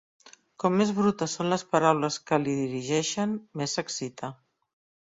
Com més brutes són les paraules que li dirigeixen més s'excita.